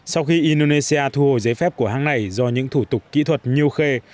sau khi indonesia thu hồi giấy phép của hãng này do những thủ tục kỹ thuật như khê